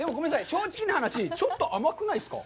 正直な話、ちょっと甘くないですか？